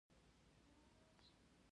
یاد ساتل مقاومت دی.